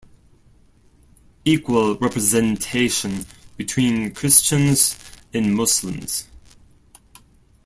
Equal representation between Christians and Muslims.